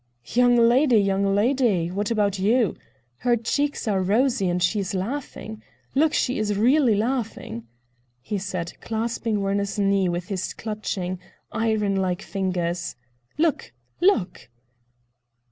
"Young lady, young lady! What about you? Her cheeks are rosy and she is laughing. Look, she is really laughing," he said, clasping Werner's knee with his clutching, iron like fingers. "Look, look!"